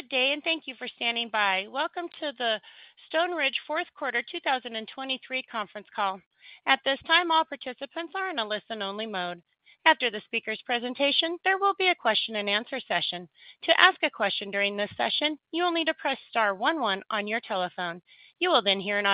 Good day, and thank you for standing by. Welcome to the Stoneridge fourth quarter 2023 conference call. At this time, all participants are in a listen-only mode. After the speaker's presentation, there will be a question-and-answer session. To ask a question during this session, you will need to press star one one on your telephone. You will then hear an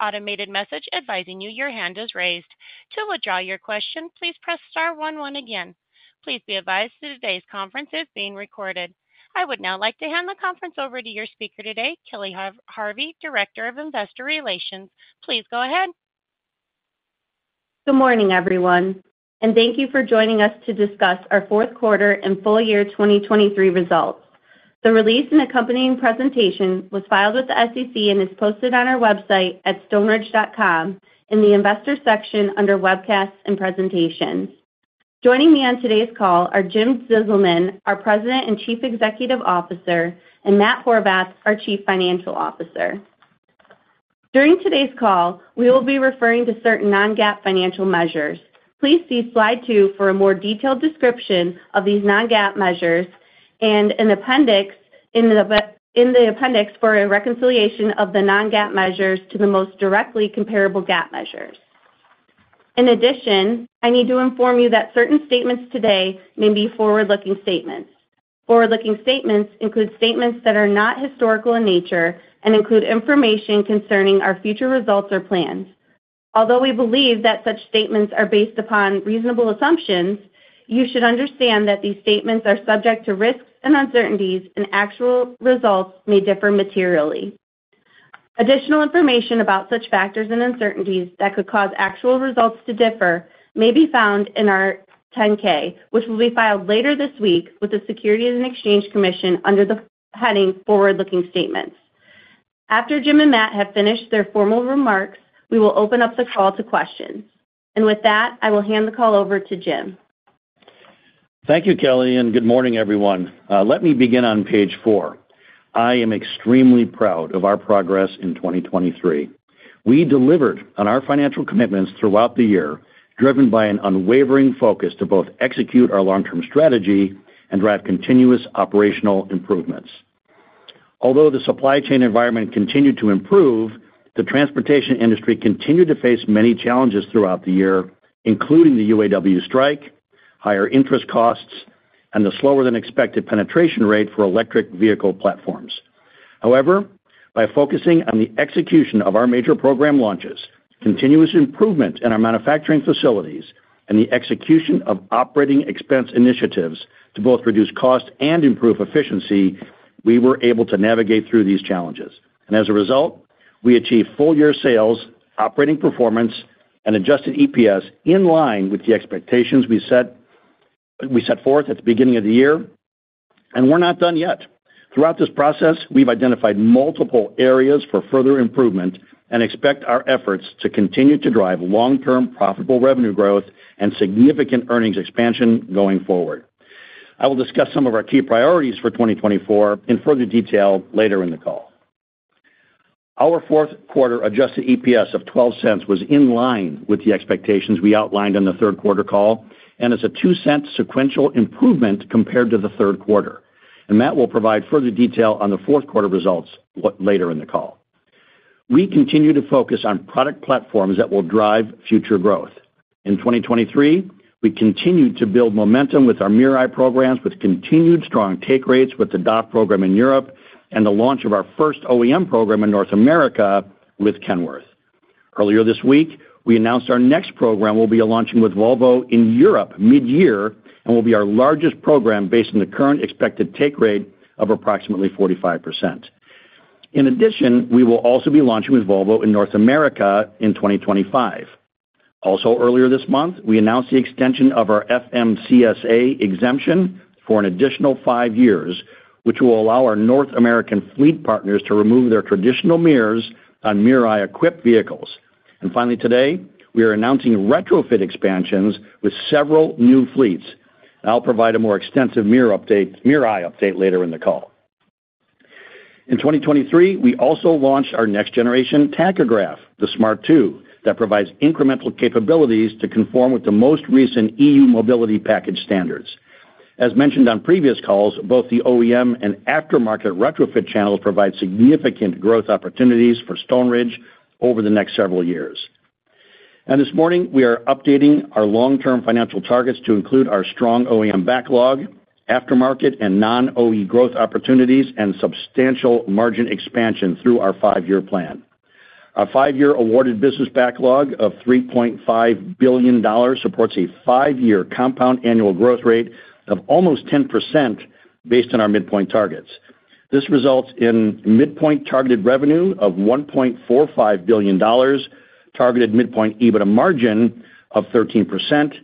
automated message advising you your hand is raised. To withdraw your question, please press star one one again. Please be advised that today's conference is being recorded. I would now like to hand the conference over to your speaker today, Kelly Harvey, Director of Investor Relations. Please go ahead. Good morning, everyone, and thank you for joining us to discuss our fourth quarter and full year 2023 results. The release and accompanying presentation was filed with the SEC and is posted on our website at stoneridge.com in the Investors section under Webcasts and Presentations. Joining me on today's call are Jim Zizelman, our President and Chief Executive Officer, and Matt Horvath, our Chief Financial Officer. During today's call, we will be referring to certain non-GAAP financial measures. Please see Slide 2 for a more detailed description of these non-GAAP measures and the appendix for a reconciliation of the non-GAAP measures to the most directly comparable GAAP measures. In addition, I need to inform you that certain statements today may be forward-looking statements. Forward-looking statements include statements that are not historical in nature and include information concerning our future results or plans. Although we believe that such statements are based upon reasonable assumptions, you should understand that these statements are subject to risks and uncertainties, and actual results may differ materially. Additional information about such factors and uncertainties that could cause actual results to differ may be found in our 10-K, which will be filed later this week with the Securities and Exchange Commission under the heading Forward-Looking Statements. After Jim and Matt have finished their formal remarks, we will open up the call to questions. With that, I will hand the call over to Jim. Thank you, Kelly, and good morning, everyone. Let me begin on Page 4. I am extremely proud of our progress in 2023. We delivered on our financial commitments throughout the year, driven by an unwavering focus to both execute our long-term strategy and drive continuous operational improvements. Although the supply chain environment continued to improve, the transportation industry continued to face many challenges throughout the year, including the UAW strike, higher interest costs, and the slower-than-expected penetration rate for electric vehicle platforms. However, by focusing on the execution of our major program launches, continuous improvement in our manufacturing facilities, and the execution of operating expense initiatives to both reduce cost and improve efficiency, we were able to navigate through these challenges. As a result, we achieved full-year sales, operating performance, and adjusted EPS in line with the expectations we set, we set forth at the beginning of the year, and we're not done yet. Throughout this process, we've identified multiple areas for further improvement and expect our efforts to continue to drive long-term profitable revenue growth and significant earnings expansion going forward. I will discuss some of our key priorities for 2024 in further detail later in the call. Our fourth quarter adjusted EPS of $0.12 was in line with the expectations we outlined on the third quarter call, and it's a $0.02 sequential improvement compared to the third quarter. Matt will provide further detail on the fourth quarter results later in the call. We continue to focus on product platforms that will drive future growth. In 2023, we continued to build momentum with our MirrorEye programs, with continued strong take rates with the DAF program in Europe, and the launch of our first OEM program in North America with Kenworth. Earlier this week, we announced our next program will be launching with Volvo in Europe mid-year and will be our largest program based on the current expected take rate of approximately 45%. In addition, we will also be launching with Volvo in North America in 2025. Also, earlier this month, we announced the extension of our FMCSA exemption for an additional 5 years, which will allow our North American fleet partners to remove their traditional mirrors on MirrorEye-equipped vehicles. Finally, today, we are announcing retrofit expansions with several new fleets. I'll provide a more extensive mirror update, MirrorEye update later in the call. In 2023, we also launched our next-generation tachograph, the Smart 2, that provides incremental capabilities to conform with the most recent EU mobility package standards. As mentioned on previous calls, both the OEM and aftermarket retrofit channels provide significant growth opportunities for Stoneridge over the next several years. This morning, we are updating our long-term financial targets to include our strong OEM backlog, aftermarket, and non-OE growth opportunities, and substantial margin expansion through our five-year plan. Our five-year awarded business backlog of $3.5 billion supports a five-year compound annual growth rate of almost 10% based on our midpoint targets. This results in midpoint targeted revenue of $1.45 billion, targeted midpoint EBITDA margin of 13%,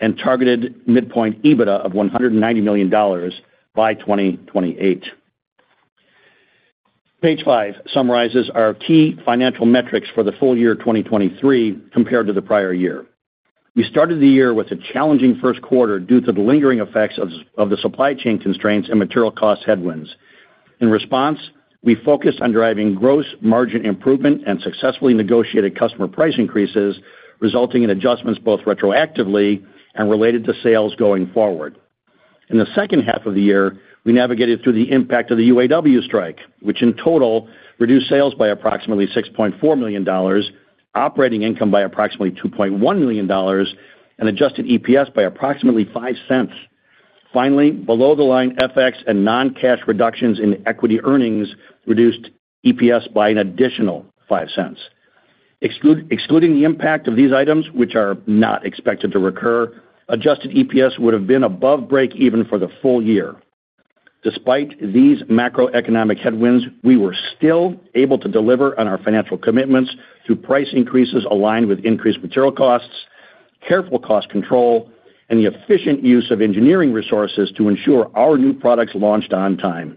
and targeted midpoint EBITDA of $190 million by 2028. Page 5 summarizes our key financial metrics for the full year 2023 compared to the prior year. We started the year with a challenging first quarter due to the lingering effects of the supply chain constraints and material cost headwinds. We focused on driving gross margin improvement and successfully negotiated customer price increases, resulting in adjustments both retroactively and related to sales going forward. In the second half of the year, we navigated through the impact of the UAW strike, which in total, reduced sales by approximately $6.4 million, operating income by approximately $2.1 million, and adjusted EPS by approximately $0.05. Finally, below-the-line FX and non-cash reductions in equity earnings reduced EPS by an additional $0.05. Excluding the impact of these items, which are not expected to recur, adjusted EPS would have been above breakeven for the full year. Despite these macroeconomic headwinds, we were still able to deliver on our financial commitments through price increases aligned with increased material costs, careful cost control, and the efficient use of engineering resources to ensure our new products launched on time.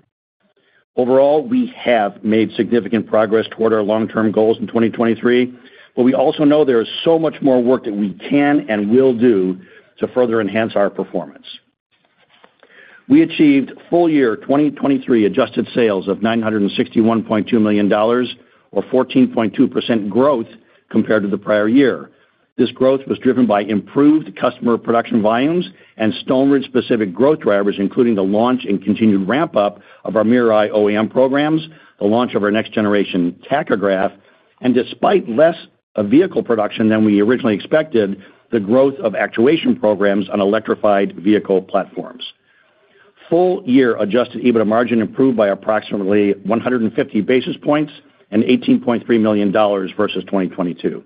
Overall, we have made significant progress toward our long-term goals in 2023, but we also know there is so much more work that we can and will do to further enhance our performance. We achieved full year 2023 adjusted sales of $961.2 million, or 14.2% growth compared to the prior year. This growth was driven by improved customer production volumes and Stoneridge-specific growth drivers, including the launch and continued ramp-up of our MirrorEye OEM programs, the launch of our next generation tachograph, and despite less vehicle production than we originally expected, the growth of actuation programs on electrified vehicle platforms. Full-year Adjusted EBITDA margin improved by approximately 150 basis points and $18.3 million versus 2022.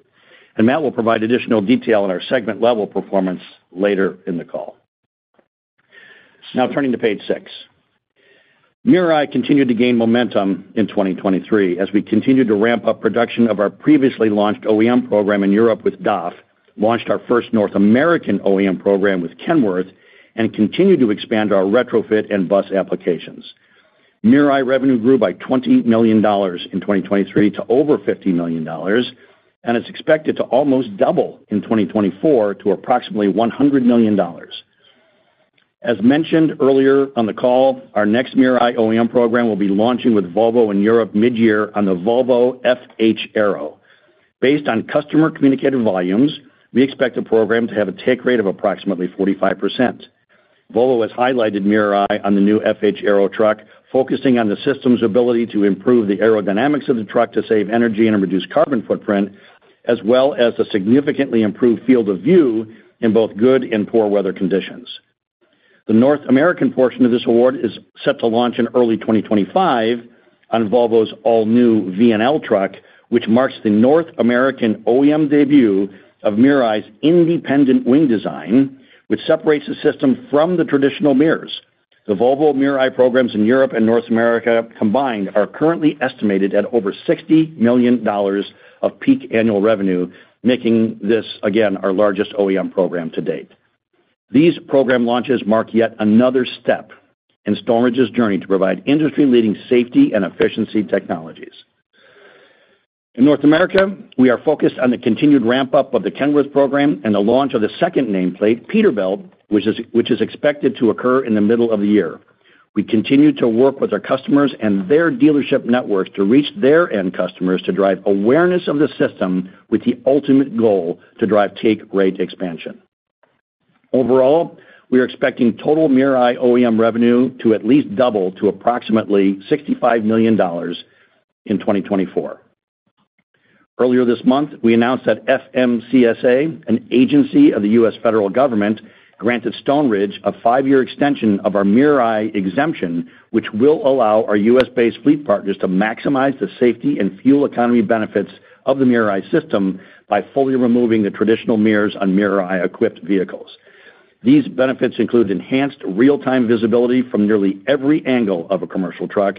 Matt will provide additional detail on our segment level performance later in the call. Now turning to Page 6. MirrorEye continued to gain momentum in 2023 as we continued to ramp up production of our previously launched OEM program in Europe with DAF, launched our first North American OEM program with Kenworth, and continued to expand our retrofit and bus applications. MirrorEye revenue grew by $20 million in 2023 to over $50 million, and it's expected to almost double in 2024 to approximately $100 million. As mentioned earlier on the call, our next MirrorEye OEM program will be launching with Volvo in Europe mid-year on the Volvo FH Aero. Based on customer communicated volumes, we expect the program to have a take rate of approximately 45%. Volvo has highlighted MirrorEye on the new FH Aero truck, focusing on the system's ability to improve the aerodynamics of the truck to save energy and reduce carbon footprint, as well as a significantly improved field of view in both good and poor weather conditions. The North American portion of this award is set to launch in early 2025 on Volvo's all-new VNL truck, which marks the North American OEM debut of MirrorEye's independent wing design, which separates the system from the traditional mirrors. The Volvo MirrorEye programs in Europe and North America combined are currently estimated at over $60 million of peak annual revenue, making this, again, our largest OEM program to date. These program launches mark yet another step in Stoneridge's journey to provide industry-leading safety and efficiency technologies. In North America, we are focused on the continued ramp-up of the Kenworth program and the launch of the second nameplate, Peterbilt, which is expected to occur in the middle of the year. We continue to work with our customers and their dealership networks to reach their end customers to drive awareness of the system with the ultimate goal to drive take rate expansion. Overall, we are expecting total MirrorEye OEM revenue to at least double to approximately $65 million in 2024. Earlier this month, we announced that FMCSA, an agency of the U.S. federal government, granted Stoneridge a 5-year extension of our MirrorEye exemption, which will allow our U.S.-based fleet partners to maximize the safety and fuel economy benefits of the MirrorEye system by fully removing the traditional mirrors on MirrorEye-equipped vehicles. These benefits include enhanced real-time visibility from nearly every angle of a commercial truck,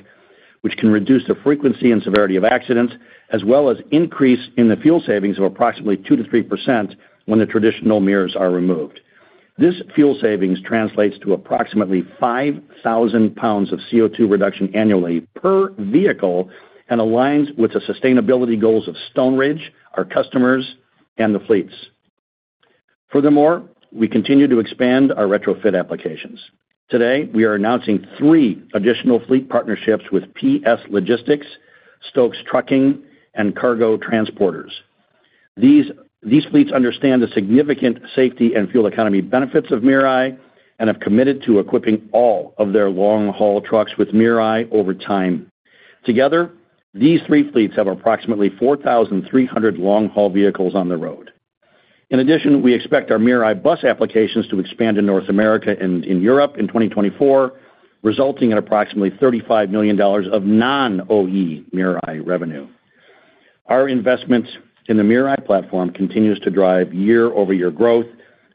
which can reduce the frequency and severity of accidents, as well as increase in the fuel savings of approximately 2%-3% when the traditional mirrors are removed. This fuel savings translates to approximately 5,000 pounds of CO2 reduction annually per vehicle and aligns with the sustainability goals of Stoneridge, our customers, and the fleets. Furthermore, we continue to expand our retrofit applications. Today, we are announcing three additional fleet partnerships with PS Logistics, Stokes Trucking, and Cargo Transporters. These fleets understand the significant safety and fuel economy benefits of MirrorEye and have committed to equipping all of their long-haul trucks with MirrorEye over time. Together, these three fleets have approximately 4,300 long-haul vehicles on the road. In addition, we expect our MirrorEye bus applications to expand in North America and in Europe in 2024, resulting in approximately $35 million of non-OE MirrorEye revenue. Our investments in the MirrorEye platform continues to drive year-over-year growth,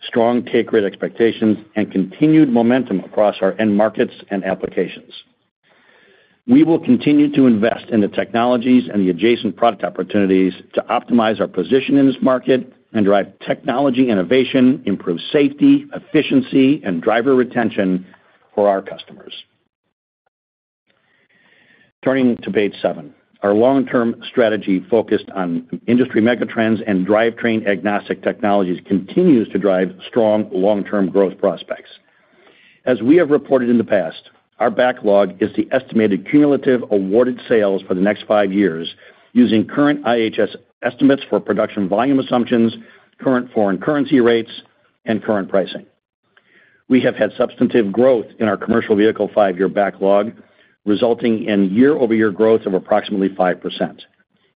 strong take rate expectations, and continued momentum across our end markets and applications. We will continue to invest in the technologies and the adjacent product opportunities to optimize our position in this market and drive technology innovation, improve safety, efficiency, and driver retention for our customers. Turning to Page 7. Our long-term strategy focused on industry megatrends and drivetrain-agnostic technologies continues to drive strong long-term growth prospects.... As we have reported in the past, our backlog is the estimated cumulative awarded sales for the next five years using current IHS estimates for production volume assumptions, current foreign currency rates, and current pricing. We have had substantive growth in our commercial vehicle five-year backlog, resulting in year-over-year growth of approximately 5%.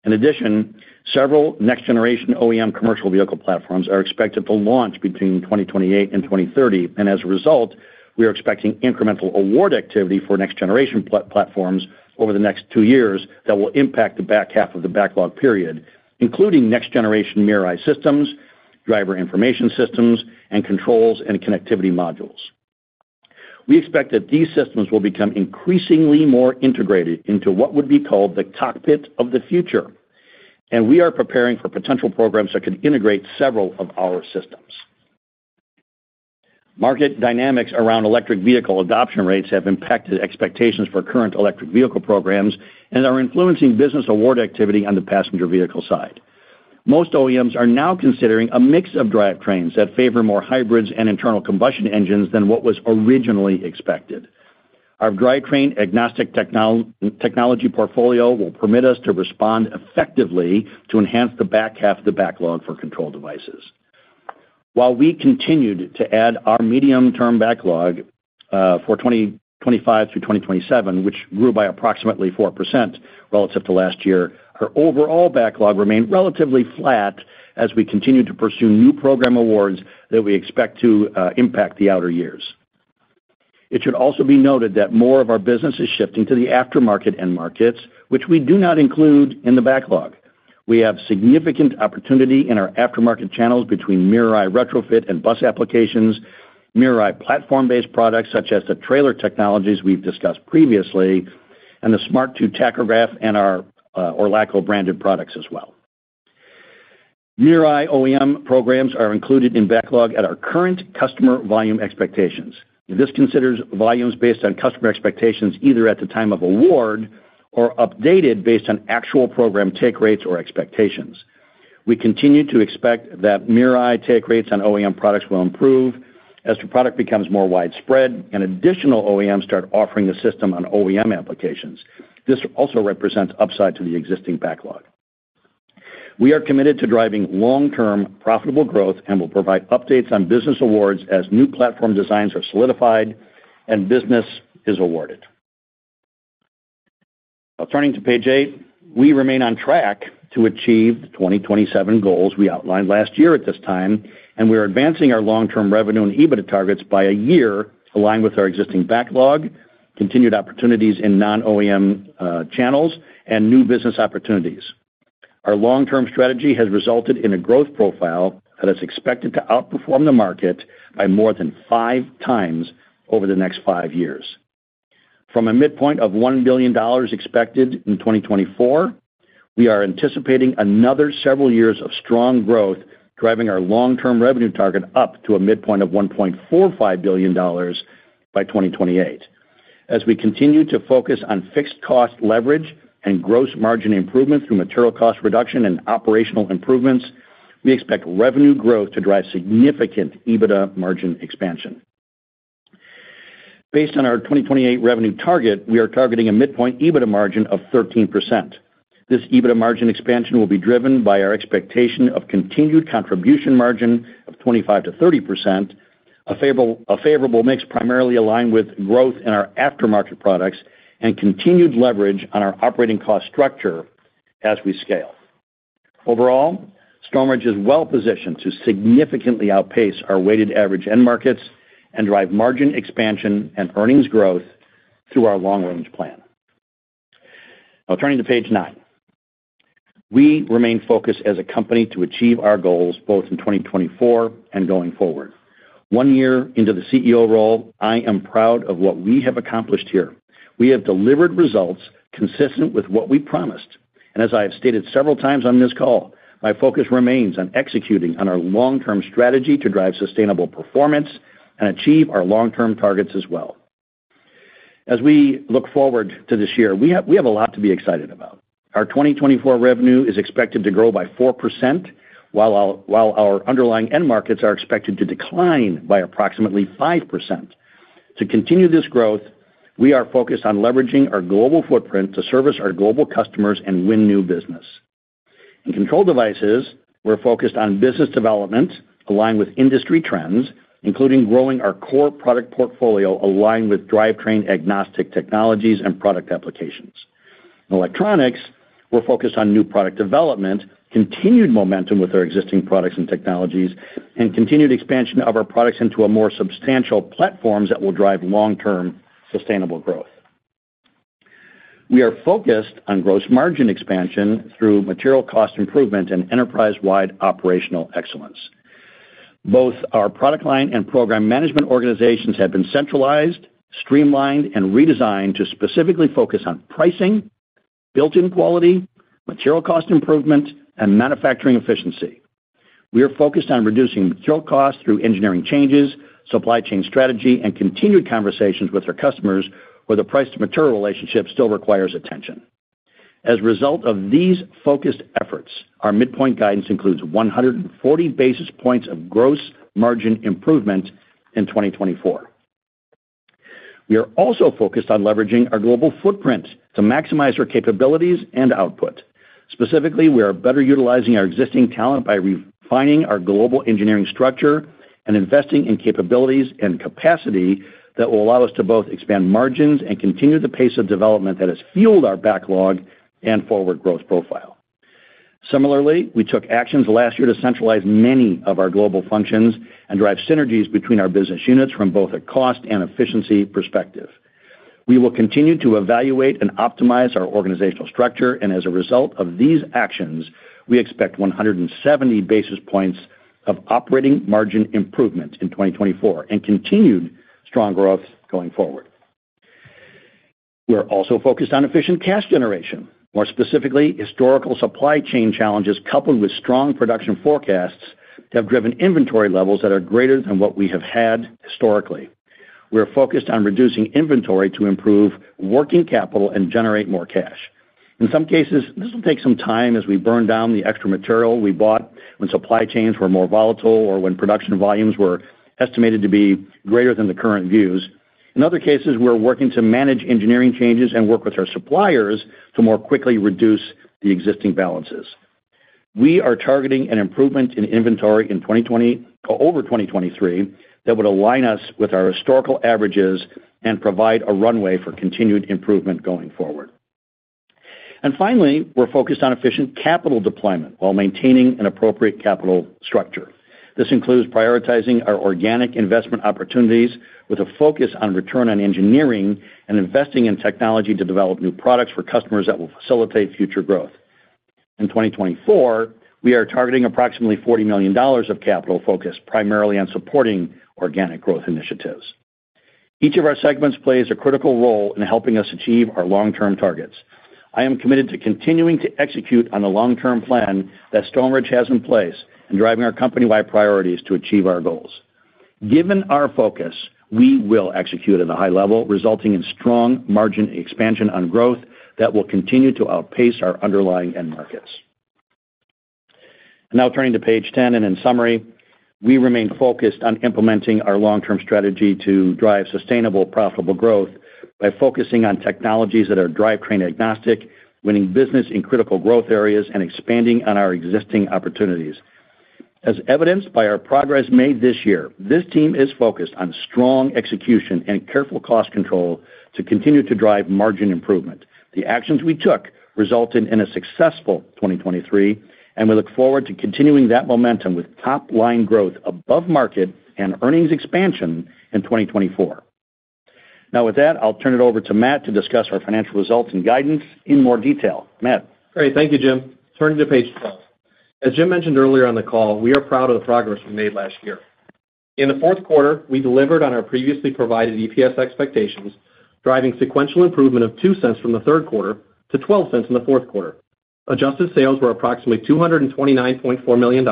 In addition, several next-generation OEM commercial vehicle platforms are expected to launch between 2028 and 2030, and as a result, we are expecting incremental award activity for next-generation platforms over the next two years that will impact the back half of the backlog period, including next-generation MirrorEye systems, driver information systems, and controls and connectivity modules. We expect that these systems will become increasingly more integrated into what would be called the cockpit of the future, and we are preparing for potential programs that could integrate several of our systems. Market dynamics around electric vehicle adoption rates have impacted expectations for current electric vehicle programs and are influencing business award activity on the passenger vehicle side. Most OEMs are now considering a mix of drivetrains that favor more hybrids and internal combustion engines than what was originally expected. Our drivetrain-agnostic technology portfolio will permit us to respond effectively to enhance the back half of the backlog for Control Devices. While we continued to add our medium-term backlog for 2025 through 2027, which grew by approximately 4% relative to last year, our overall backlog remained relatively flat as we continued to pursue new program awards that we expect to impact the outer years. It should also be noted that more of our business is shifting to the aftermarket end markets, which we do not include in the backlog. We have significant opportunity in our aftermarket channels between MirrorEye retrofit and bus applications, MirrorEye platform-based products, such as the trailer technologies we've discussed previously, and the Smart 2 tachograph and our Orlaco-branded products as well. MirrorEye OEM programs are included in backlog at our current customer volume expectations. This considers volumes based on customer expectations, either at the time of award or updated based on actual program take rates or expectations. We continue to expect that MirrorEye take rates on OEM products will improve as the product becomes more widespread and additional OEMs start offering the system on OEM applications. This also represents upside to the existing backlog. We are committed to driving long-term profitable growth and will provide updates on business awards as new platform designs are solidified and business is awarded. Now, turning to Page 8, we remain on track to achieve the 2027 goals we outlined last year at this time, and we are advancing our long-term revenue and EBITDA targets by a year, aligned with our existing backlog, continued opportunities in non-OEM channels, and new business opportunities. Our long-term strategy has resulted in a growth profile that is expected to outperform the market by more than 5x over the next five years. From a midpoint of $1 billion expected in 2024, we are anticipating another several years of strong growth, driving our long-term revenue target up to a midpoint of $1.45 billion by 2028. As we continue to focus on fixed cost leverage and gross margin improvement through material cost reduction and operational improvements, we expect revenue growth to drive significant EBITDA margin expansion. Based on our 2028 revenue target, we are targeting a midpoint EBITDA margin of 13%. This EBITDA margin expansion will be driven by our expectation of continued contribution margin of 25%-30%, a favorable mix primarily aligned with growth in our aftermarket products, and continued leverage on our operating cost structure as we scale. Overall, Stoneridge is well positioned to significantly outpace our weighted average end markets and drive margin expansion and earnings growth through our long-range plan. Now, turning to Page 9. We remain focused as a company to achieve our goals both in 2024 and going forward. One year into the CEO role, I am proud of what we have accomplished here. We have delivered results consistent with what we promised, and as I have stated several times on this call, my focus remains on executing on our long-term strategy to drive sustainable performance and achieve our long-term targets as well. As we look forward to this year, we have a lot to be excited about. Our 2024 revenue is expected to grow by 4%, while our underlying end markets are expected to decline by approximately 5%. To continue this growth, we are focused on leveraging our global footprint to service our global customers and win new business. In Control Devices, we're focused on business development aligned with industry trends, including growing our core product portfolio aligned with drivetrain-agnostic technologies and product applications. In Electronics, we're focused on new product development, continued momentum with our existing products and technologies, and continued expansion of our products into a more substantial platforms that will drive long-term sustainable growth. We are focused on gross margin expansion through material cost improvement and enterprise-wide operational excellence. Both our product line and program management organizations have been centralized, streamlined, and redesigned to specifically focus on pricing, built-in quality, material cost improvement, and manufacturing efficiency. We are focused on reducing material costs through engineering changes, supply chain strategy, and continued conversations with our customers, where the price to material relationship still requires attention. As a result of these focused efforts, our midpoint guidance includes 140 basis points of gross margin improvement in 2024. We are also focused on leveraging our global footprint to maximize our capabilities and output. Specifically, we are better utilizing our existing talent by refining our global engineering structure and investing in capabilities and capacity that will allow us to both expand margins and continue the pace of development that has fueled our backlog and forward growth profile. Similarly, we took actions last year to centralize many of our global functions and drive synergies between our business units from both a cost and efficiency perspective. We will continue to evaluate and optimize our organizational structure, and as a result of these actions, we expect 170 basis points of operating margin improvement in 2024, and continued strong growth going forward. We are also focused on efficient cash generation. More specifically, historical supply chain challenges, coupled with strong production forecasts, have driven inventory levels that are greater than what we have had historically. We are focused on reducing inventory to improve working capital and generate more cash. In some cases, this will take some time as we burn down the extra material we bought when supply chains were more volatile or when production volumes were estimated to be greater than the current views. In other cases, we're working to manage engineering changes and work with our suppliers to more quickly reduce the existing balances. We are targeting an improvement in inventory in 2024 over 2023, that would align us with our historical averages and provide a runway for continued improvement going forward. Finally, we're focused on efficient capital deployment while maintaining an appropriate capital structure. This includes prioritizing our organic investment opportunities with a focus on return on engineering and investing in technology to develop new products for customers that will facilitate future growth. In 2024, we are targeting approximately $40 million of capital focus, primarily on supporting organic growth initiatives. Each of our segments plays a critical role in helping us achieve our long-term targets. I am committed to continuing to execute on the long-term plan that Stoneridge has in place and driving our company-wide priorities to achieve our goals. Given our focus, we will execute at a high level, resulting in strong margin expansion on growth that will continue to outpace our underlying end markets. Now turning to Page 10, and in summary, we remain focused on implementing our long-term strategy to drive sustainable, profitable growth by focusing on technologies that are drivetrain agnostic, winning business in critical growth areas, and expanding on our existing opportunities. As evidenced by our progress made this year, this team is focused on strong execution and careful cost control to continue to drive margin improvement. The actions we took resulted in a successful 2023, and we look forward to continuing that momentum with top-line growth above market and earnings expansion in 2024. Now, with that, I'll turn it over to Matt to discuss our financial results and guidance in more detail. Matt? Great. Thank you, Jim. Turning to Page 12. As Jim mentioned earlier on the call, we are proud of the progress we made last year. In the fourth quarter, we delivered on our previously provided EPS expectations, driving sequential improvement of $0.02 from the third quarter to $0.12 in the fourth quarter. Adjusted sales were approximately $229.4 million,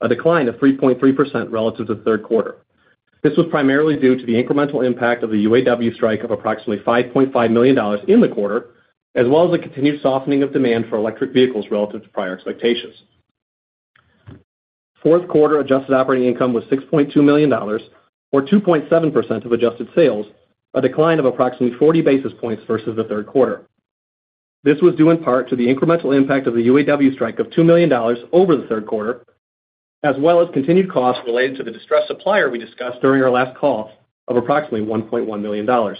a decline of 3.3% relative to the third quarter. This was primarily due to the incremental impact of the UAW strike of approximately $5.5 million in the quarter, as well as the continued softening of demand for electric vehicles relative to prior expectations. Fourth quarter adjusted operating income was $6.2 million, or 2.7% of adjusted sales, a decline of approximately 40 basis points versus the third quarter. This was due in part to the incremental impact of the UAW strike of $2 million over the third quarter, as well as continued costs related to the distressed supplier we discussed during our last call of approximately $1.1 million.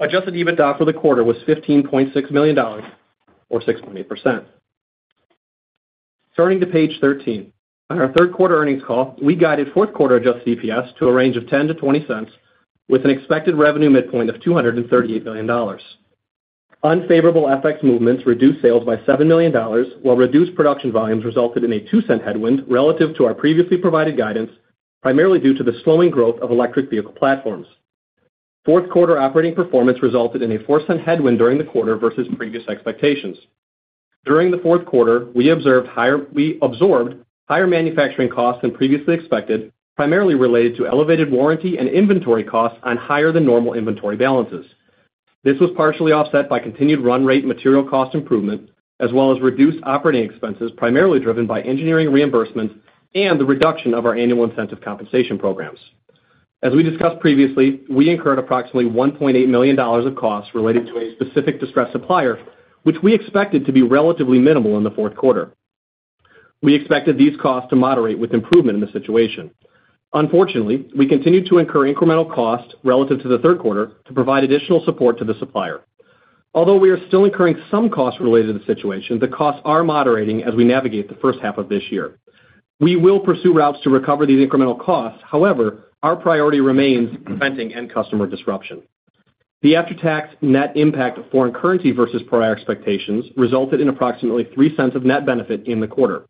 Adjusted EBITDA for the quarter was $15.6 million, or 6.8%. Turning to Page 13. On our third quarter earnings call, we guided fourth quarter adjusted EPS to a range of $0.10-$0.20, with an expected revenue midpoint of $238 million. Unfavorable FX movements reduced sales by $7 million, while reduced production volumes resulted in a $0.02 headwind relative to our previously provided guidance, primarily due to the slowing growth of electric vehicle platforms. Fourth quarter operating performance resulted in a $0.04 headwind during the quarter versus previous expectations. During the fourth quarter, we absorbed higher manufacturing costs than previously expected, primarily related to elevated warranty and inventory costs on higher-than-normal inventory balances. This was partially offset by continued run rate material cost improvement, as well as reduced operating expenses, primarily driven by engineering reimbursements and the reduction of our annual incentive compensation programs. As we discussed previously, we incurred approximately $1.8 million of costs related to a specific distressed supplier, which we expected to be relatively minimal in the fourth quarter. We expected these costs to moderate with improvement in the situation. Unfortunately, we continued to incur incremental costs relative to the third quarter to provide additional support to the supplier. Although we are still incurring some costs related to the situation, the costs are moderating as we navigate the first half of this year. We will pursue routes to recover these incremental costs. However, our priority remains preventing end customer disruption. The after-tax net impact of foreign currency versus prior expectations resulted in approximately $0.03 of net benefit in the quarter.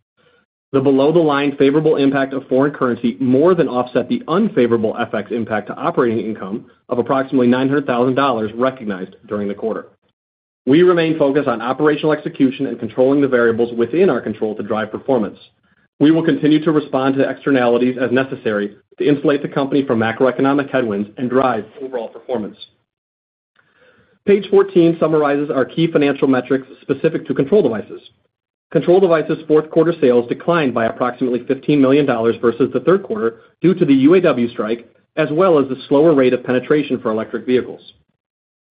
The below-the-line favorable impact of foreign currency more than offset the unfavorable FX impact to operating income of approximately $900,000 recognized during the quarter. We remain focused on operational execution and controlling the variables within our control to drive performance.... We will continue to respond to externalities as necessary to insulate the company from macroeconomic headwinds and drive overall performance. Page 14 summarizes our key financial metrics specific to Control Devices. Control devices fourth quarter sales declined by approximately $15 million versus the third quarter, due to the UAW strike, as well as the slower rate of penetration for electric vehicles.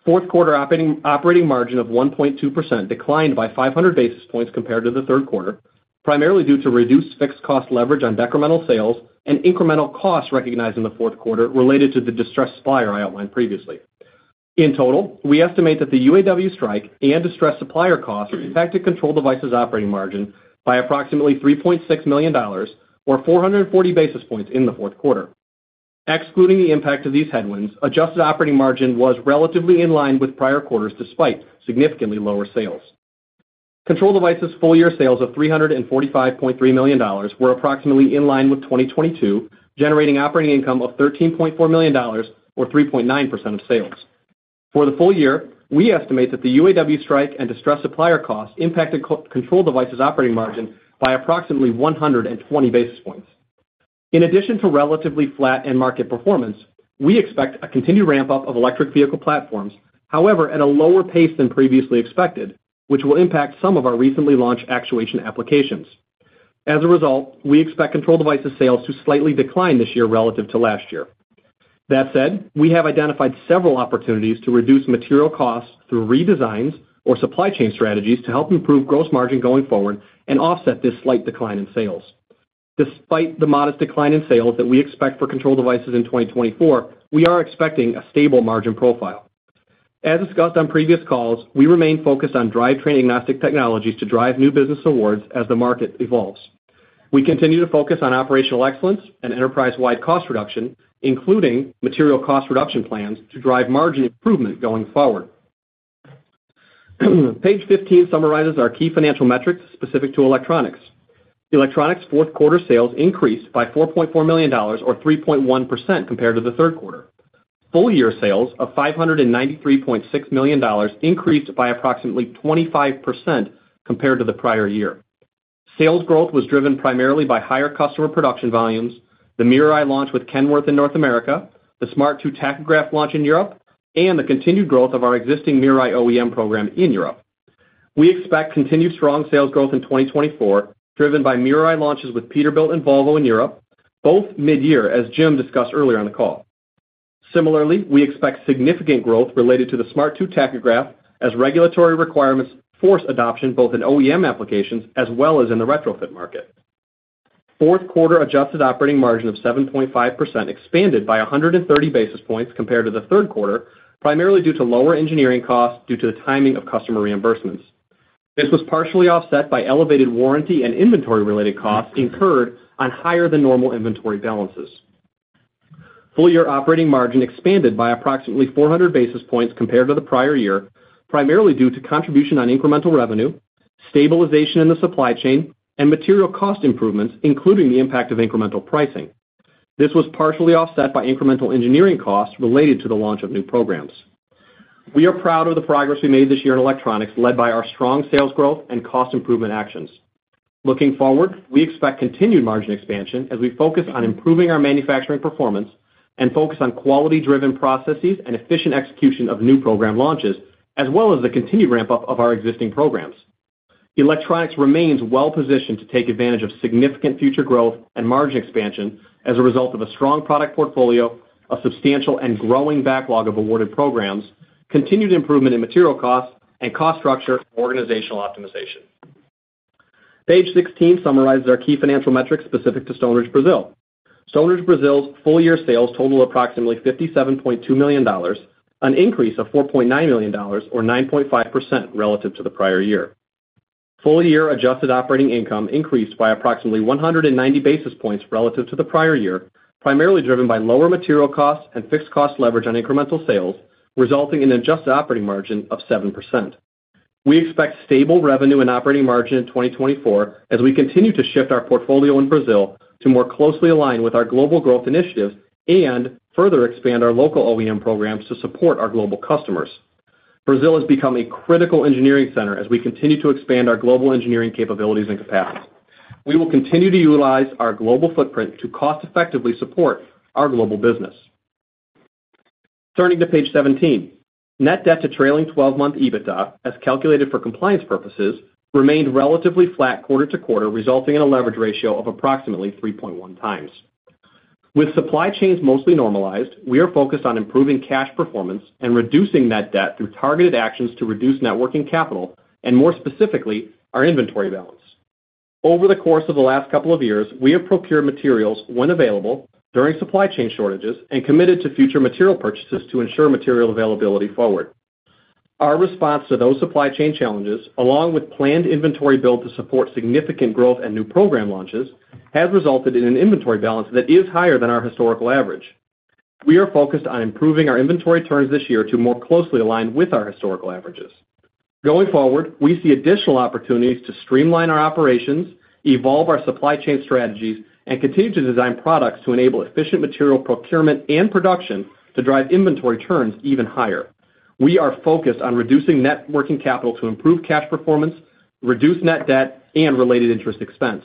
Fourth quarter operating margin of 1.2% declined by 500 basis points compared to the third quarter, primarily due to reduced fixed cost leverage on incremental sales and incremental costs recognized in the fourth quarter related to the distressed supplier I outlined previously. In total, we estimate that the UAW strike and distressed supplier costs impacted Control Devices operating margin by approximately $3.6 million or 440 basis points in the fourth quarter. Excluding the impact of these headwinds, adjusted operating margin was relatively in line with prior quarters, despite significantly lower sales. Control devices full year sales of $345.3 million were approximately in line with 2022, generating operating income of $13.4 million or 3.9% of sales. For the full year, we estimate that the UAW strike and distressed supplier costs impacted Control Devices operating margin by approximately 120 basis points. In addition to relatively flat end market performance, we expect a continued ramp-up of electric vehicle platforms, however, at a lower pace than previously expected, which will impact some of our recently launched actuation applications. As a result, we expect Control Devices sales to slightly decline this year relative to last year. That said, we have identified several opportunities to reduce material costs through redesigns or supply chain strategies to help improve gross margin going forward and offset this slight decline in sales. Despite the modest decline in sales that we expect for Control Devices in 2024, we are expecting a stable margin profile. As discussed on previous calls, we remain focused on drivetrain agnostic technologies to drive new business awards as the market evolves. We continue to focus on operational excellence and enterprise-wide cost reduction, including material cost reduction plans, to drive margin improvement going forward. Page 15 summarizes our key financial metrics specific to Electronics. Electronics fourth quarter sales increased by $4.4 million or 3.1% compared to the third quarter. Full year sales of $593.6 million increased by approximately 25% compared to the prior year. Sales growth was driven primarily by higher customer production volumes, the MirrorEye launch with Kenworth in North America, the Smart 2 tachograph launch in Europe, and the continued growth of our existing MirrorEye OEM program in Europe. We expect continued strong sales growth in 2024, driven by MirrorEye launches with Peterbilt and Volvo in Europe, both mid-year, as Jim discussed earlier on the call. Similarly, we expect significant growth related to the Smart 2 tachograph as regulatory requirements force adoption, both in OEM applications as well as in the retrofit market. Fourth quarter adjusted operating margin of 7.5% expanded by 130 basis points compared to the third quarter, primarily due to lower engineering costs due to the timing of customer reimbursements. This was partially offset by elevated warranty and inventory-related costs incurred on higher than normal inventory balances. Full year operating margin expanded by approximately 400 basis points compared to the prior year, primarily due to contribution on incremental revenue, stabilization in the supply chain, and material cost improvements, including the impact of incremental pricing. This was partially offset by incremental engineering costs related to the launch of new programs. We are proud of the progress we made this year in Electronics, led by our strong sales growth and cost improvement actions. Looking forward, we expect continued margin expansion as we focus on improving our manufacturing performance and focus on quality-driven processes and efficient execution of new program launches, as well as the continued ramp-up of our existing programs. Electronics remains well positioned to take advantage of significant future growth and margin expansion as a result of a strong product portfolio, a substantial and growing backlog of awarded programs, continued improvement in material costs and cost structure, organizational optimization. Page 16 summarizes our key financial metrics specific to Stoneridge Brazil. Stoneridge Brazil's full year sales totaled approximately $57.2 million, an increase of $4.9 million, or 9.5% relative to the prior year. Full year adjusted operating income increased by approximately 190 basis points relative to the prior year, primarily driven by lower material costs and fixed cost leverage on incremental sales, resulting in an adjusted operating margin of 7%. We expect stable revenue and operating margin in 2024 as we continue to shift our portfolio in Brazil to more closely align with our global growth initiatives and further expand our local OEM programs to support our global customers. Brazil has become a critical engineering center as we continue to expand our global engineering capabilities and capacity. We will continue to utilize our global footprint to cost effectively support our global business. Turning to Page 17. Net debt to trailing twelve-month EBITDA, as calculated for compliance purposes, remained relatively flat quarter-over-quarter, resulting in a leverage ratio of approximately 3.1x. With supply chains mostly normalized, we are focused on improving cash performance and reducing net debt through targeted actions to reduce net working capital and, more specifically, our inventory balance. Over the course of the last couple of years, we have procured materials when available, during supply chain shortages, and committed to future material purchases to ensure material availability forward. Our response to those supply chain challenges, along with planned inventory build to support significant growth and new program launches, has resulted in an inventory balance that is higher than our historical average. We are focused on improving our inventory turns this year to more closely align with our historical averages. Going forward, we see additional opportunities to streamline our operations, evolve our supply chain strategies, and continue to design products to enable efficient material procurement and production to drive inventory turns even higher. We are focused on reducing net working capital to improve cash performance, reduce net debt, and related interest expense.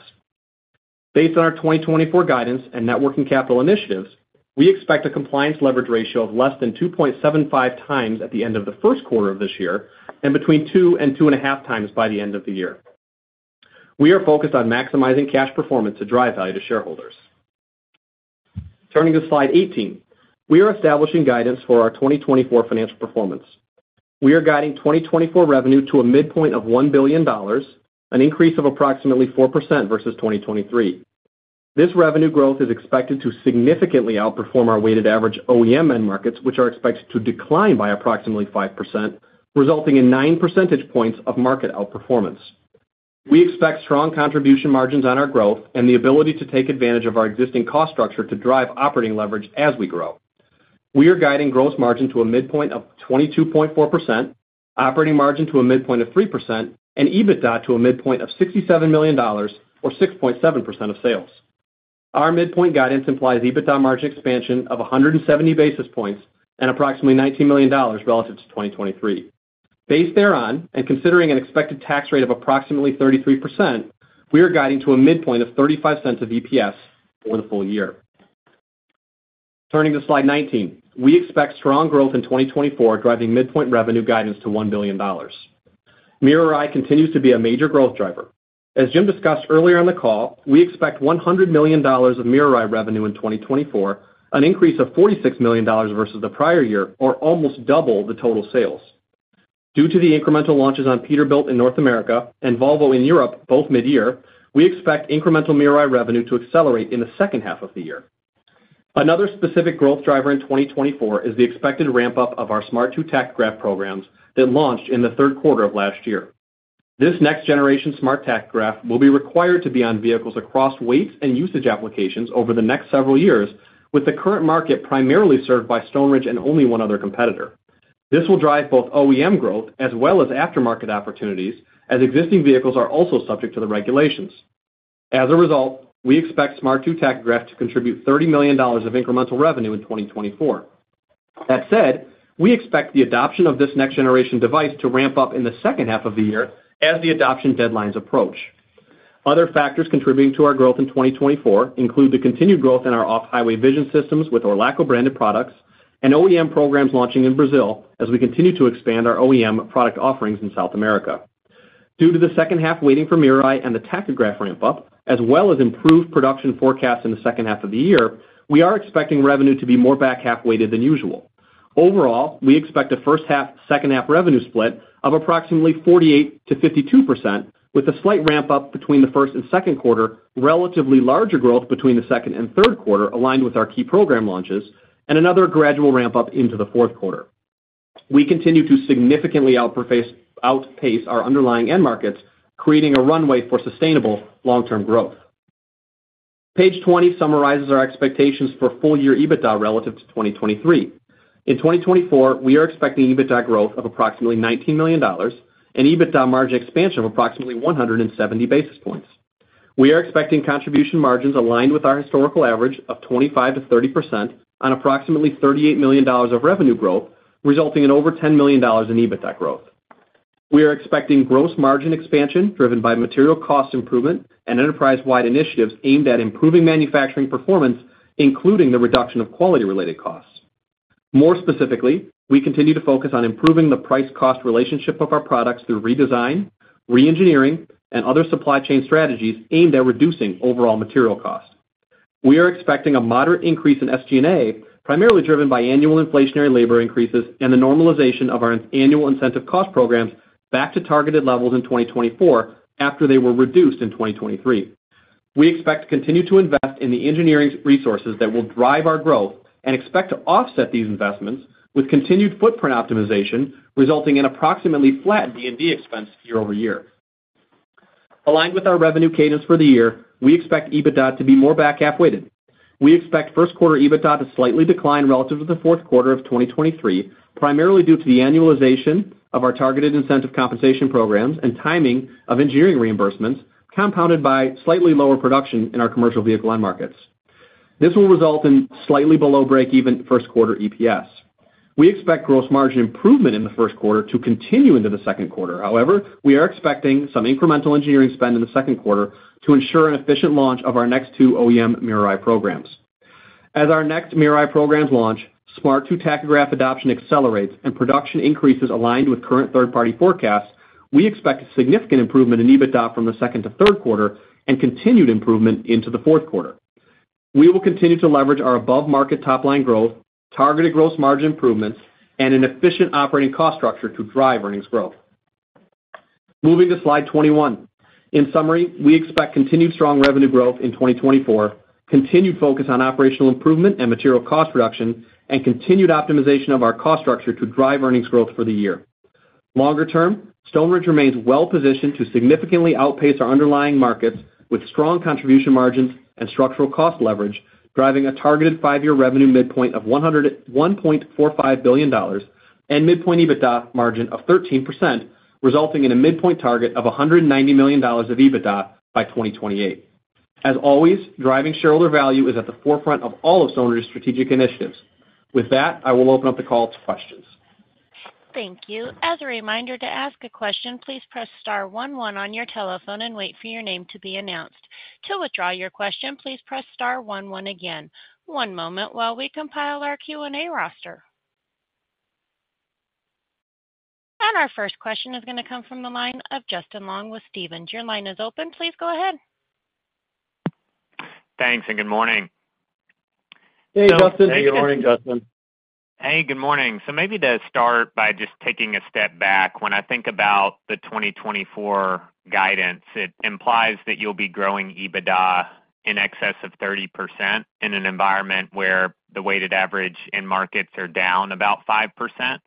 Based on our 2024 guidance and net working capital initiatives, we expect a compliance leverage ratio of less than 2.75x at the end of the first quarter of this year, and between two and 2.5x by the end of the year. We are focused on maximizing cash performance to drive value to shareholders. Turning to Slide 18, we are establishing guidance for our 2024 financial performance. We are guiding 2024 revenue to a midpoint of $1 billion, an increase of approximately 4% versus 2023. This revenue growth is expected to significantly outperform our weighted average OEM end markets, which are expected to decline by approximately 5%, resulting in 9 percentage points of market outperformance. We expect strong contribution margins on our growth and the ability to take advantage of our existing cost structure to drive operating leverage as we grow. We are guiding gross margin to a midpoint of 22.4%, operating margin to a midpoint of 3%, and EBITDA to a midpoint of $67 million or 6.7% of sales. Our midpoint guidance implies EBITDA margin expansion of 170 basis points and approximately $19 million relative to 2023. Based thereon, and considering an expected tax rate of approximately 33%, we are guiding to a midpoint of $0.35 of EPS for the full year. Turning to Slide 19. We expect strong growth in 2024, driving midpoint revenue guidance to $1 billion. MirrorEye continues to be a major growth driver. As Jim discussed earlier on the call, we expect $100 million of MirrorEye revenue in 2024, an increase of $46 million versus the prior year, or almost double the total sales. Due to the incremental launches on Peterbilt in North America and Volvo in Europe, both mid-year, we expect incremental MirrorEye revenue to accelerate in the second half of the year. Another specific growth driver in 2024 is the expected ramp-up of our Smart 2 tachograph programs that launched in the third quarter of last year. This next generation smart tachograph will be required to be on vehicles across weights and usage applications over the next several years, with the current market primarily served by Stoneridge and only one other competitor. This will drive both OEM growth as well as aftermarket opportunities, as existing vehicles are also subject to the regulations. As a result, we expect Smart 2 tachograph to contribute $30 million of incremental revenue in 2024. That said, we expect the adoption of this next generation device to ramp up in the second half of the year as the adoption deadlines approach. Other factors contributing to our growth in 2024 include the continued growth in our off-highway vision systems with Orlaco branded products and OEM programs launching in Brazil as we continue to expand our OEM product offerings in South America. Due to the second half waiting for MirrorEye and the tachograph ramp-up, as well as improved production forecasts in the second half of the year, we are expecting revenue to be more back-half weighted than usual. Overall, we expect a first half, second half revenue split of approximately 48%-52%, with a slight ramp-up between the first and second quarter, relatively larger growth between the second and third quarter, aligned with our key program launches, and another gradual ramp-up into the fourth quarter. We continue to significantly outpace our underlying end markets, creating a runway for sustainable long-term growth. Page 20 summarizes our expectations for full year EBITDA relative to 2023. In 2024, we are expecting EBITDA growth of approximately $19 million and EBITDA margin expansion of approximately 170 basis points. We are expecting contribution margins aligned with our historical average of 25%-30% on approximately $38 million of revenue growth, resulting in over $10 million in EBITDA growth. We are expecting gross margin expansion driven by material cost improvement and enterprise-wide initiatives aimed at improving manufacturing performance, including the reduction of quality-related costs. More specifically, we continue to focus on improving the price-cost relationship of our products through redesign, reengineering, and other supply chain strategies aimed at reducing overall material costs. We are expecting a moderate increase in SG&A, primarily driven by annual inflationary labor increases and the normalization of our annual incentive cost programs back to targeted levels in 2024 after they were reduced in 2023. We expect to continue to invest in the engineering resources that will drive our growth and expect to offset these investments with continued footprint optimization, resulting in approximately flat D&D expense year-over-year. Aligned with our revenue cadence for the year, we expect EBITDA to be more back-half weighted. We expect first quarter EBITDA to slightly decline relative to the fourth quarter of 2023, primarily due to the annualization of our targeted incentive compensation programs and timing of engineering reimbursements, compounded by slightly lower production in our commercial vehicle end markets. This will result in slightly below break-even first quarter EPS. We expect gross margin improvement in the first quarter to continue into the second quarter. However, we are expecting some incremental engineering spend in the second quarter to ensure an efficient launch of our next two OEM MirrorEye programs. As our next MirrorEye programs launch, Smart 2 tachograph adoption accelerates and production increases aligned with current third-party forecasts, we expect a significant improvement in EBITDA from the second to third quarter and continued improvement into the fourth quarter. We will continue to leverage our above-market top-line growth, targeted gross margin improvements, and an efficient operating cost structure to drive earnings growth. Moving to Slide 21. In summary, we expect continued strong revenue growth in 2024, continued focus on operational improvement and material cost reduction, and continued optimization of our cost structure to drive earnings growth for the year. Longer term, Stoneridge remains well positioned to significantly outpace our underlying markets, with strong contribution margins and structural cost leverage, driving a targeted five-year revenue midpoint of $1.45 billion and midpoint EBITDA margin of 13%, resulting in a midpoint target of $190 million of EBITDA by 2028. As always, driving shareholder value is at the forefront of all of Stoneridge's strategic initiatives. With that, I will open up the call to questions. Thank you. As a reminder, to ask a question, please press star one one on your telephone and wait for your name to be announced. To withdraw your question, please press star one one again. One moment while we compile our Q&A roster. Our first question is gonna come from the line of Justin Long with Stephens. Your line is open. Please go ahead. Thanks, and good morning. Hey, Justin. Hey, good morning, Justin. Hey, good morning. So maybe to start by just taking a step back, when I think about the 2024 guidance, it implies that you'll be growing EBITDA in excess of 30% in an environment where the weighted average end markets are down about 5%.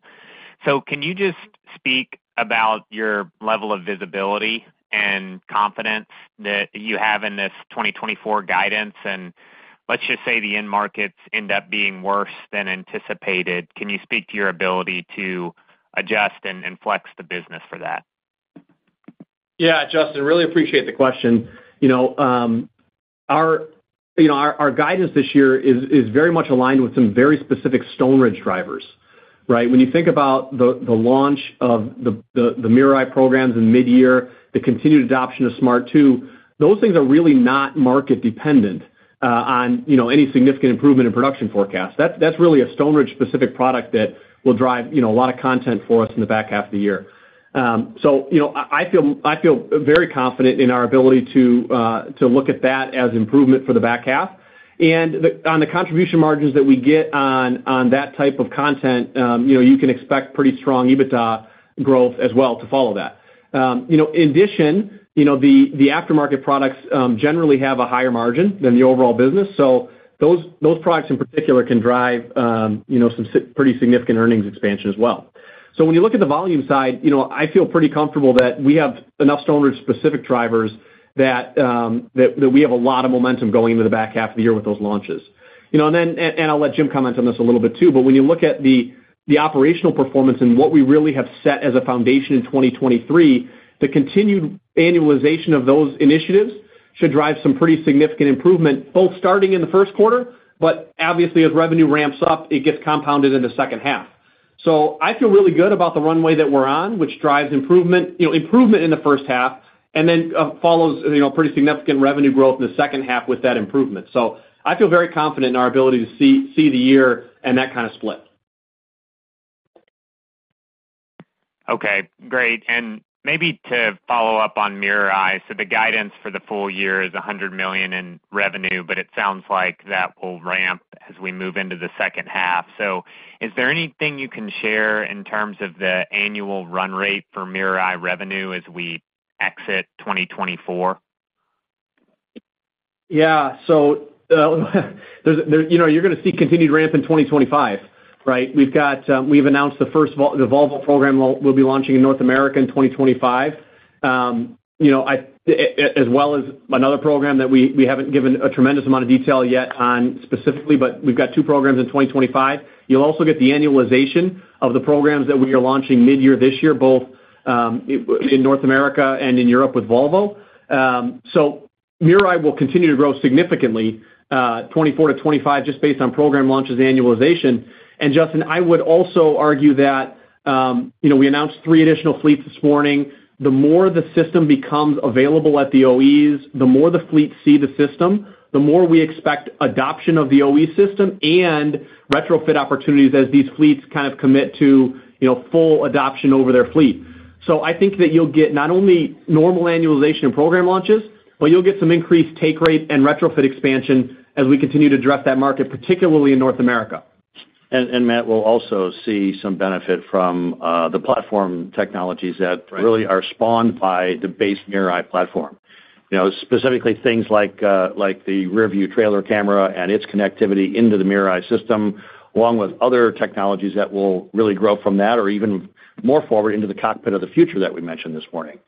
So can you just speak about your level of visibility and confidence that you have in this 2024 guidance? And let's just say the end markets end up being worse than anticipated, can you speak to your ability to adjust and flex the business for that? Yeah, Justin, really appreciate the question. You know, our you know, our guidance this year is very much aligned with some very specific Stoneridge drivers, right? When you think about the launch of the MirrorEye programs in mid-year, the continued adoption of Smart 2, those things are really not market dependent on, you know, any significant improvement in production forecast. That's really a Stoneridge-specific product that will drive, you know, a lot of content for us in the back half of the year. So, you know, I feel very confident in our ability to look at that as improvement for the back half. And on the contribution margins that we get on that type of content, you know, you can expect pretty strong EBITDA growth as well to follow that. You know, in addition, you know, the aftermarket products generally have a higher margin than the overall business, so those products in particular can drive, you know, some pretty significant earnings expansion as well. So when you look at the volume side, you know, I feel pretty comfortable that we have enough Stoneridge-specific drivers that we have a lot of momentum going into the back half of the year with those launches. You know, I'll let Jim comment on this a little bit, too, but when you look at the operational performance and what we really have set as a foundation in 2023, the continued annualization of those initiatives should drive some pretty significant improvement, both starting in the first quarter, but obviously, as revenue ramps up, it gets compounded in the second half. So I feel really good about the runway that we're on, which drives improvement, you know, improvement in the first half, and then, follows, you know, pretty significant revenue growth in the second half with that improvement. So I feel very confident in our ability to see, see the year and that kind of split. Okay, great. Maybe to follow up on MirrorEye, so the guidance for the full year is $100 million in revenue, but it sounds like that will ramp as we move into the second half. So is there anything you can share in terms of the annual run rate for MirrorEye revenue as we exit 2024? Yeah. So, there's you know, you're gonna see continued ramp in 2025, right? We've got we've announced the first Volvo program will be launching in North America in 2025. You know, as well as another program that we haven't given a tremendous amount of detail yet on specifically, but we've got two programs in 2025. You'll also get the annualization of the programs that we are launching midyear this year, both in North America and in Europe with Volvo. So MirrorEye will continue to grow significantly, 2024 to 2025, just based on program launches annualization. And Justin, I would also argue that, you know, we announced three additional fleets this morning. The more the system becomes available at the OEs, the more the fleets see the system, the more we expect adoption of the OE system and retrofit opportunities as these fleets kind of commit to, you know, full adoption over their fleet. So I think that you'll get not only normal annualization and program launches, but you'll get some increased take rate and retrofit expansion as we continue to address that market, particularly in North America. And Matt, we'll also see some benefit from the platform technologies that- Right... really are spawned by the base MirrorEye platform. You know, specifically things like, like the rearview trailer camera and its connectivity into the MirrorEye system, along with other technologies that will really grow from that, or even more forward into the cockpit of the future that we mentioned this morning.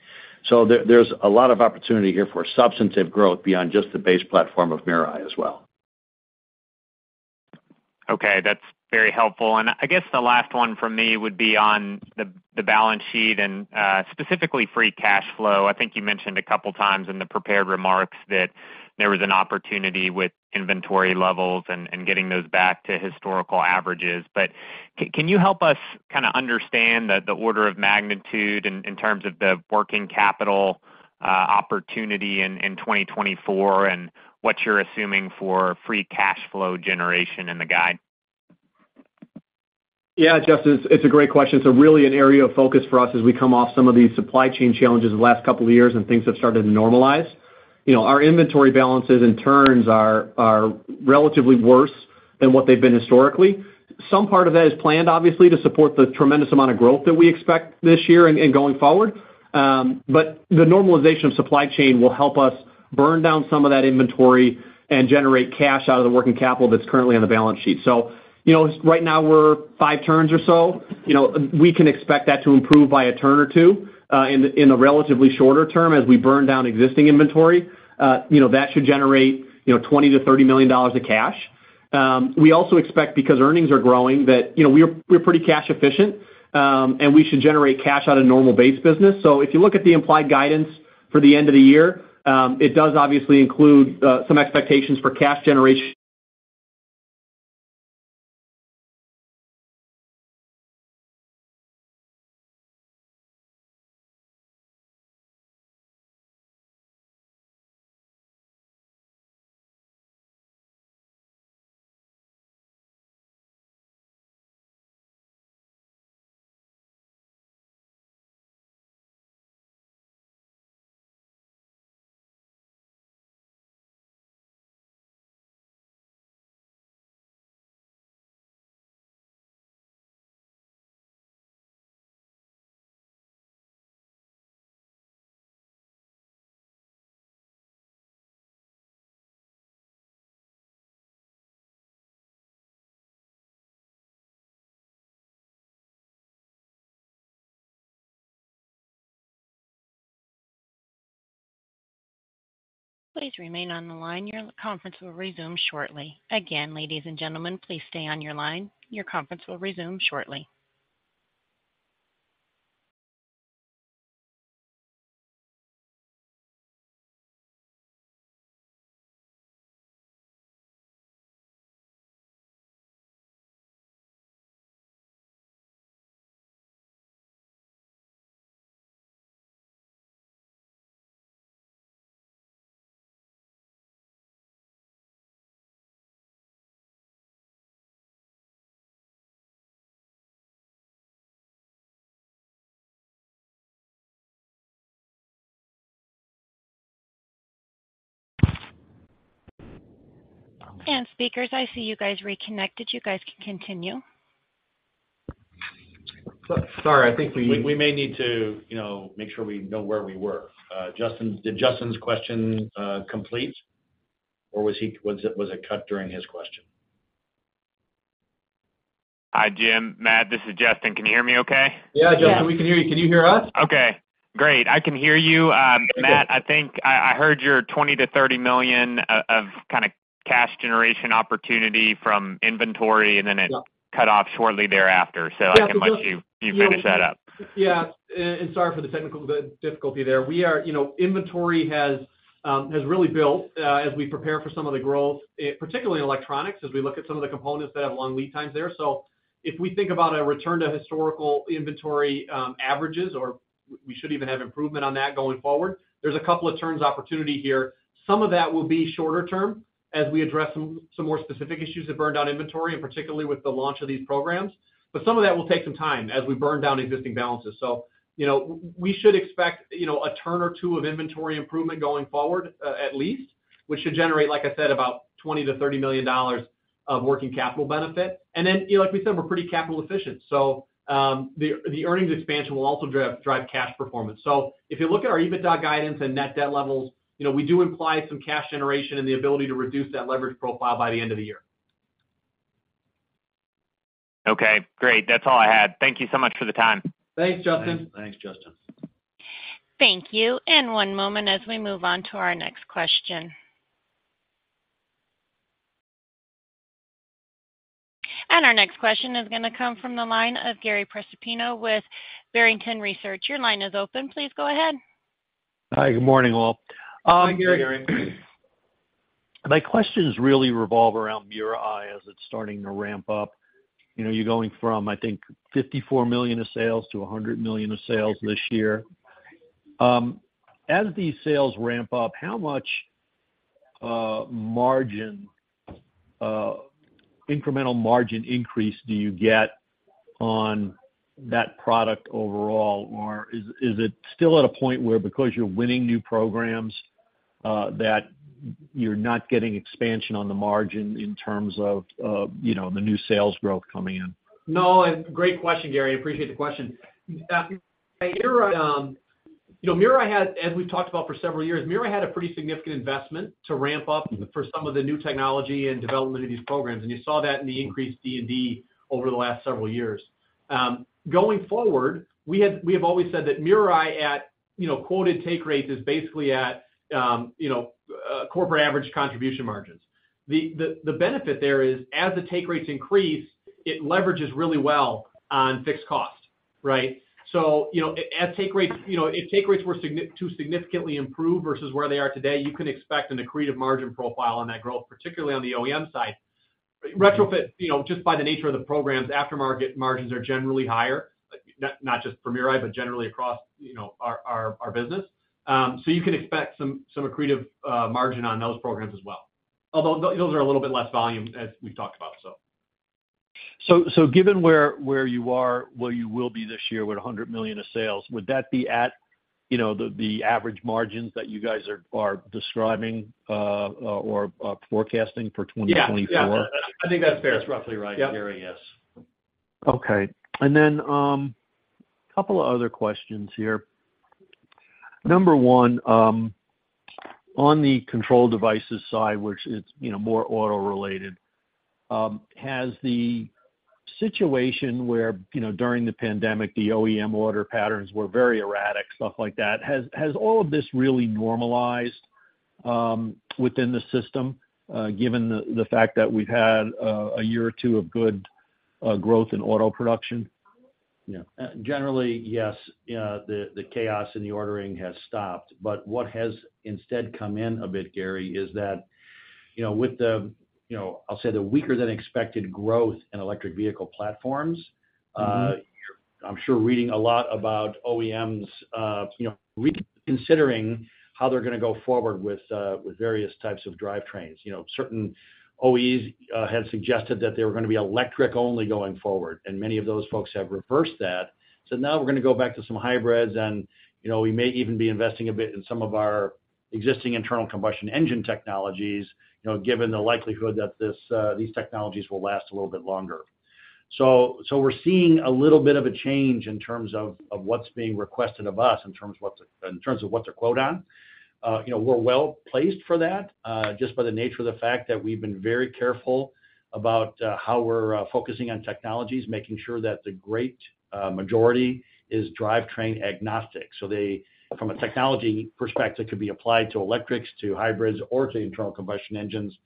So there, there's a lot of opportunity here for substantive growth beyond just the base platform of MirrorEye as well. Okay, that's very helpful. And I guess the last one from me would be on the balance sheet and specifically free cash flow. I think you mentioned a couple times in the prepared remarks that there was an opportunity with inventory levels and getting those back to historical averages. But can you help us kind of understand the order of magnitude in terms of the working capital opportunity in 2024, and what you're assuming for free cash flow generation in the guide? Yeah, Justin, it's a great question. It's really an area of focus for us as we come off some of these supply chain challenges the last couple of years, and things have started to normalize. You know, our inventory balances and turns are relatively worse than what they've been historically. Some part of that is planned, obviously, to support the tremendous amount of growth that we expect this year and going forward. But the normalization of supply chain will help us burn down some of that inventory and generate cash out of the working capital that's currently on the balance sheet. So, you know, right now, we're five turns or so. You know, we can expect that to improve by a turn or two in the relatively shorter term, as we burn down existing inventory. You know, that should generate, you know, $20 million-$30 million of cash. We also expect because earnings are growing, that, you know, we are, we're pretty cash efficient, and we should generate cash out of normal base business. So if you look at the implied guidance for the end of the year, it does obviously include some expectations for cash generation. Please remain on the line. Your conference will resume shortly. Again, ladies and gentlemen, please stay on your line. Your conference will resume shortly. Speakers, I see you guys reconnected. You guys can continue. Sorry, I think we- We may need to, you know, make sure we know where we were. Justin, did Justin's question complete, or was it cut during his question? Hi, Jim, Matt, this is Justin. Can you hear me okay? Yeah, Justin, we can hear you. Can you hear us? Okay, great. I can hear you. Matt, I think I heard your $20 million-$30 million of kind of cash generation opportunity from inventory, and then it- Yeah... cut off shortly thereafter. So I can let you finish that up. Yeah, and sorry for the technical difficulty there. We are—you know, inventory has has really built as we prepare for some of the growth, particularly in Electronics, as we look at some of the components that have long lead times there. So if we think about a return to historical inventory averages, or we should even have improvement on that going forward, there's a couple of turns opportunity here. Some of that will be shorter term as we address some some more specific issues that burn down inventory, and particularly with the launch of these programs. But some of that will take some time as we burn down existing balances. So, you know, we should expect, you know, a turn or two of inventory improvement going forward, at least, which should generate, like I said, about $20-$30 million of working capital benefit. And then, you know, like we said, we're pretty capital efficient. So, the earnings expansion will also drive cash performance. So if you look at our EBITDA guidance and net debt levels, you know, we do imply some cash generation and the ability to reduce that leverage profile by the end of the year. Okay, great. That's all I had. Thank you so much for the time. Thanks, Justin. Thanks, Justin. Thank you. One moment as we move on to our next question. Our next question is gonna come from the line of Gary Prestopino with Barrington Research. Your line is open. Please go ahead. Hi, good morning, all. Hi, Gary. Hi, Gary. My questions really revolve around MirrorEye as it's starting to ramp up. You know, you're going from, I think, $54 million of sales to $100 million of sales this year. As these sales ramp up, how much, margin, incremental margin increase do you get on that product overall? Or is, is it still at a point where because you're winning new programs, that you're not getting expansion on the margin in terms of, of, you know, the new sales growth coming in? No, great question, Gary. I appreciate the question. MirrorEye, you know, MirrorEye had, as we've talked about for several years, MirrorEye had a pretty significant investment to ramp up for some of the new technology and development of these programs, and you saw that in the increased D&D over the last several years. Going forward, we have always said that MirrorEye at, you know, quoted take rates is basically at, you know, corporate average contribution margins. The benefit there is, as the take rates increase, it leverages really well on fixed cost, right? So, you know, at take rates, you know, if take rates were to significantly improve versus where they are today, you can expect an accretive margin profile on that growth, particularly on the OEM side. Retrofit, you know, just by the nature of the programs, aftermarket margins are generally higher, not just for MirrorEye, but generally across, you know, our business. So you can expect some accretive margin on those programs as well, although those are a little bit less volume, as we've talked about so. Given where you are, where you will be this year with $100 million of sales, would that be at, you know, the average margins that you guys are describing or forecasting for 2024? Yeah. Yeah, I think that's fair. That's roughly right, Gary. Yep. Yes. Okay. And then, a couple of other questions here. Number one, on the Control Devices side, which is, you know, more auto-related, has the situation where, you know, during the pandemic, the OEM order patterns were very erratic, stuff like that. Has all of this really normalized, within the system, given the fact that we've had, a year or two of good growth in auto production? Yeah. Generally, yes, the chaos in the ordering has stopped, but what has instead come in a bit, Gary, is that, you know, with the, you know, I'll say the weaker than expected growth in electric vehicle platforms- Mm-hmm. You're, I'm sure, reading a lot about OEMs, you know, reconsidering how they're gonna go forward with various types of drivetrains. You know, certain OEs had suggested that they were gonna be electric only going forward, and many of those folks have reversed that. So now we're gonna go back to some hybrids, and, you know, we may even be investing a bit in some of our existing internal combustion engine technologies, you know, given the likelihood that this, these technologies will last a little bit longer. So we're seeing a little bit of a change in terms of what's being requested of us, in terms of what to quote on. You know, we're well placed for that, just by the nature of the fact that we've been very careful about how we're focusing on technologies, making sure that the great majority is drivetrain agnostic. So they, from a technology perspective, could be applied to electrics, to hybrids, or to internal combustion engines,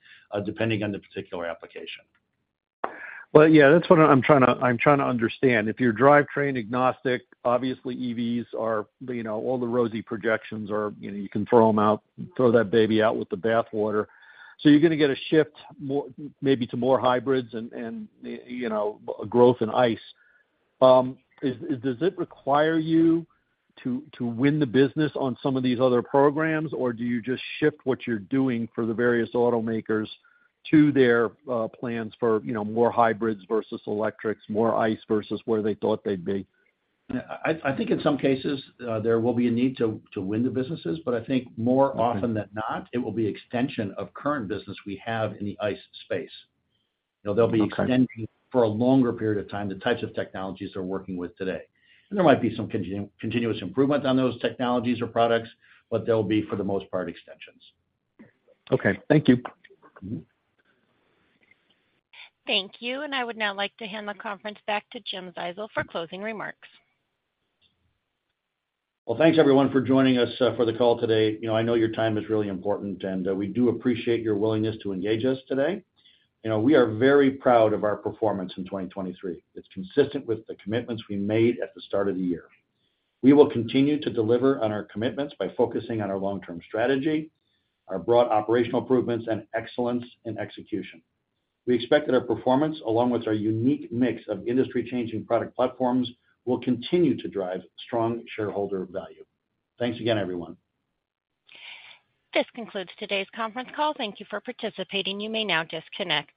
depending on the particular application. Well, yeah, that's what I'm trying to, I'm trying to understand. If you're drivetrain agnostic, obviously, EVs are, you know... all the rosy projections are, you know, you can throw them out, throw that baby out with the bath water. So you're gonna get a shift more, maybe to more hybrids and, and, you know, growth in ICE. Is, does it require you to, to win the business on some of these other programs, or do you just shift what you're doing for the various automakers to their plans for, you know, more hybrids versus electrics, more ICE versus where they thought they'd be? I think in some cases, there will be a need to win the businesses, but I think more often than not, it will be extension of current business we have in the ICE space. Okay. You know, they'll be extending for a longer period of time, the types of technologies they're working with today. There might be some continuous improvement on those technologies or products, but they'll be, for the most part, extensions. Okay. Thank you. Mm-hmm. Thank you, and I would now like to hand the conference back to Jim Zizelman for closing remarks. Well, thanks everyone for joining us for the call today. You know, I know your time is really important, and we do appreciate your willingness to engage us today. You know, we are very proud of our performance in 2023. It's consistent with the commitments we made at the start of the year. We will continue to deliver on our commitments by focusing on our long-term strategy, our broad operational improvements, and excellence in execution. We expect that our performance, along with our unique mix of industry-changing product platforms, will continue to drive strong shareholder value. Thanks again, everyone. This concludes today's conference call. Thank you for participating. You may now disconnect.